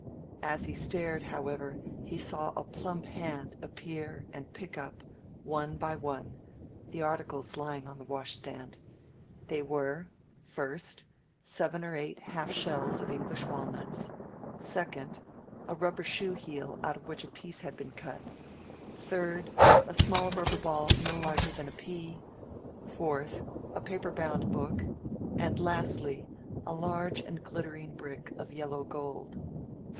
As he stared, however, he saw a plump hand appear and pick up, one by one, the articles lying on the washstand. They were: First, seven or eight half shells of English walnuts; second, a rubber shoe heel out of which a piece had been cut; third, a small rubber ball no larger than a pea; fourth, a paper bound book; and lastly, a large and glittering brick of yellow gold.